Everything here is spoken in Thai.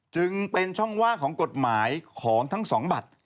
จึงเป็นช่องว่างของกฎหมายของทั้งสองบัตร